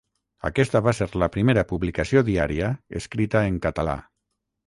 Aquesta va ser la primera publicació diària escrita en català.